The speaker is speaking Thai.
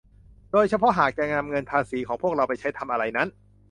โดยเฉพาะหากจะนำเงินภาษีของพวกเราไปใช้ทำอะไรนั้น